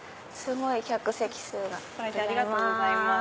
ご来店ありがとうございます。